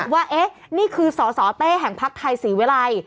ว่านี่คือสสเต้แห่งพักไทยศรีวิรัย